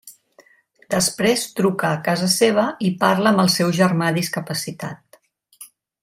Després truca a casa seva i parla amb el seu germà discapacitat.